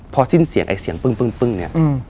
เพราะเสียงเปื้องเนี่ย